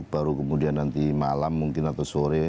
baru kemudian nanti malam mungkin atau sore